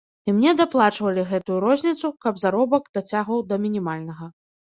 І мне даплачвалі гэтую розніцу, каб заробак дацягваў да мінімальнага.